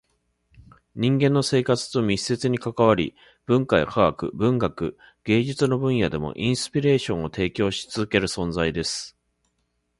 人間の生活と密接に関わり、文化や科学、文学、芸術の分野でもインスピレーションを提供し続ける存在です。